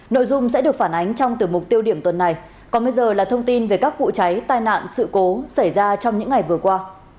nội dung sẽ được phản ánh trong tiểu mục tiêu điểm tuần này còn bây giờ là thông tin về các vụ cháy tai nạn sự cố xảy ra trong những ngày vừa qua